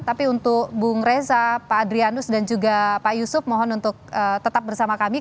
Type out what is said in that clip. tapi untuk bung reza pak adrianus dan juga pak yusuf mohon untuk tetap bersama kami